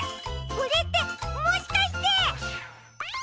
これってもしかして！